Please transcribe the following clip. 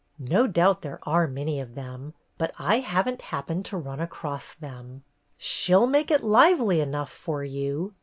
No doubt there are many of them, but I have n't happened to run across them." " She 'll make it lively enough for you